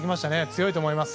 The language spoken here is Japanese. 強いと思います。